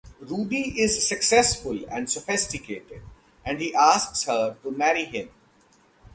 Rudy is successful and sophisticated, and he asks her to marry him.